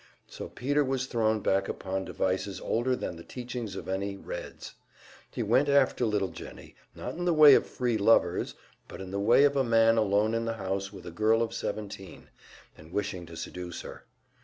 So Peter was thrown back upon devices older than the teachings of any "Reds." He went after little Jennie, not in the way of "free lovers," but in the way of a man alone in the house with a girl of seventeen, and wishing to seduce her.